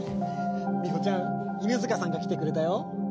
みほちゃん犬塚さんが来てくれたよ。